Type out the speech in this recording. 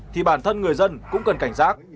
thì bản thân người dân cũng cần cảnh giác